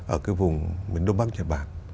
ở cái vùng miền đông bắc nhật bản